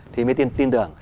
thì mới tin tưởng